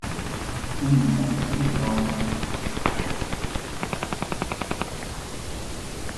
Ulden var naturfarvet